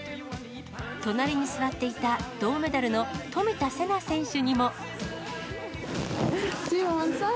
隣に座っていた銅メダルの冨田せな選手にも。